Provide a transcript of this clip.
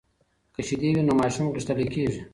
که شیدې وي نو ماشوم غښتلۍ کیږي.